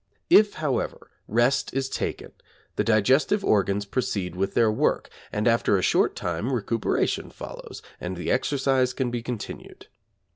If, however, rest is taken, the digestive organs proceed with their work, and after a short time recuperation follows, and the exercise can be continued.